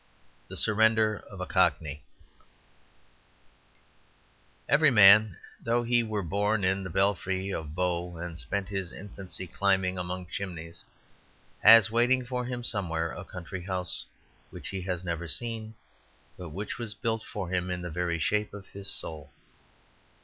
The Surrender of a Cockney Evert man, though he were born in the very belfry of Bow and spent his infancy climbing among chimneys, has waiting for him somewhere a country house which he has never seen; but which was built for him in the very shape of his soul.